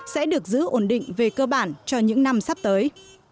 sẽ được giữ ổn định về cơ bản cho những năm sắp tới